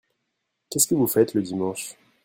Qu'est-ce que vous faites le dimanche.